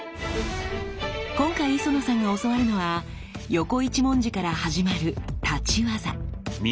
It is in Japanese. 今回磯野さんが教わるのは横一文字から始まる立業。